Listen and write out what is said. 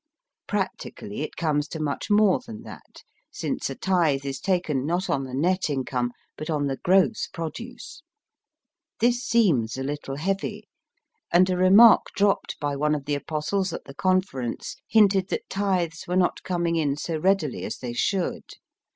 Practically it comes to much more than that, since a tithe is taken not on the net income but on the gross produce. This seems a little heavy, and a remark dropped by one of the Apostles at the Conference hinted that tithes were not coming in so readily as they should.